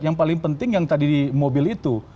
yang tadi mobil itu